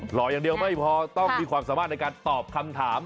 หล่ออย่างเดียวไม่พอต้องมีความสามารถในการตอบคำถาม